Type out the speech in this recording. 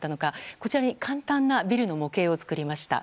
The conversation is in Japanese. こちらに簡単なビルの模型を作りました。